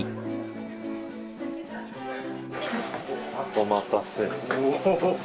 お待たせ。